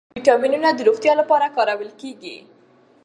ویټامینونه د روغتیا لپاره کارول کېږي.